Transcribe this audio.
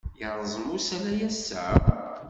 Yerẓem usalay ass-a?